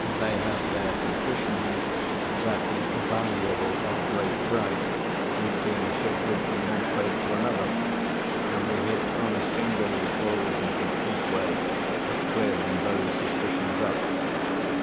They have their suspicions that the 'valuable of great price' is being shifted from one place to another; and they hit on a singularly bold and complete way of clearing those suspicions up.